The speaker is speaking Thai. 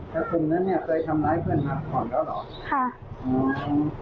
แล้วคุณนั้นเนี่ยเคยทำร้ายเพื่อนมาก่อนแล้วหรอ